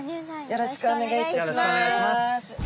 よろしくお願いします。